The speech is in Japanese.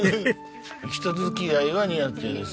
人付き合いは苦手です。